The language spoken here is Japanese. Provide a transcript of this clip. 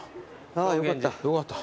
ああよかった。